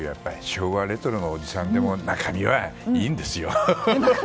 昭和レトロのおじさんには中身がいいんですよ。